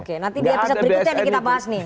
oke nanti di episode berikutnya nih kita bahas nih